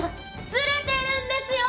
ずれてるんですよ。